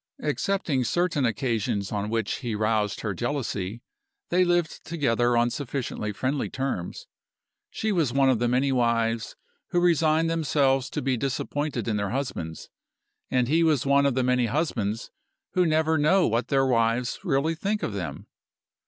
Excepting certain occasions on which he roused her jealousy, they lived together on sufficiently friendly terms. She was one of the many wives who resign themselves to be disappointed in their husbands and he was one of the many husbands who never know what their wives really think of them.